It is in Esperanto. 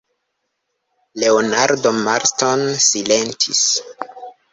Leonardo Marston silentis.